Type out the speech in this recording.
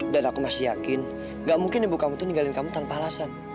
dan aku masih yakin nggak mungkin ibu kamu tuh ninggalin kamu tanpa alasan